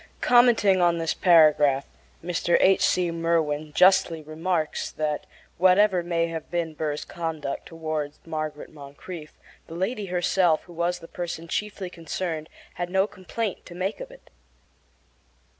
Commenting on this paragraph, Mr. H. C. Merwin justly remarks that, whatever may have been Burr's conduct toward Margaret Moncrieffe, the lady herself, who was the person chiefly concerned, had no complaint to make of it.